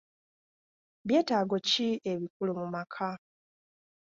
Byetaago ki ebikulu mu maka?